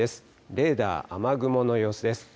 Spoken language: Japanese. レーダー、雨雲の様子です。